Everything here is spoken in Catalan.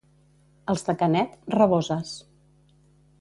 Els de Canet, raboses.